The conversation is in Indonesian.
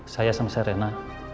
saya sama serena